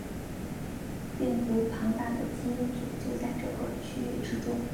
病毒庞大的基因组就在这个区域之中。